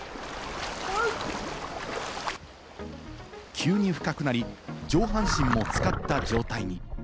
急に深くなり、上半身もつかった状態に。